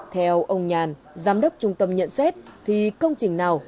theo ông nhàn giám đốc trung tâm nhận xét thì công trình nào